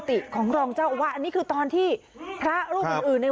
บางตอนก็มีอาการเกลี้ยวกราษต่อว่าพระต่อว่าชาวบ้านที่มายืนล้อมอยู่แบบนี้ค่ะ